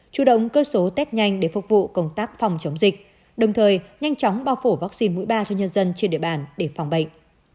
chủ động cơ số test nhanh để phục vụ công tác phòng chống dịch đồng thời nhanh chóng bao phủ vaccine mũi ba cho nhân dân trên địa bàn để phòng bệnh